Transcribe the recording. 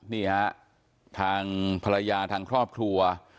นี่นะครับทางพละยาทางครอบครัว